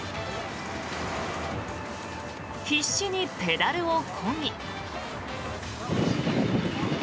必死にペダルをこぎ。